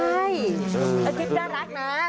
คลิปน่ารักนะ